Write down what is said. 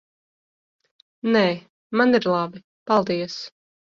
Nē, man ir labi. Paldies.